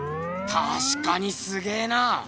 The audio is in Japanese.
たしかにすげえな！